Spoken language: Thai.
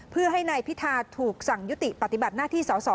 เพื่อให้นายพิธาถูกสั่งยุติปฏิบัติหน้าที่สอสอ